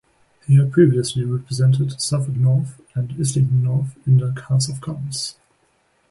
He had previously represented Southwark North and Islington North in the House of Commons.